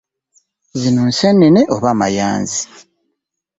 Zino nseenene oba mayanzi?